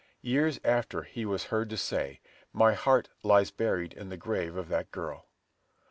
Years after he was heard to say, "My heart lies buried in the grave of that girl."